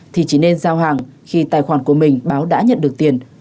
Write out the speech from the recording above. thì chỉ nên giao hàng khi tài khoản của mình báo đã nhận được tiền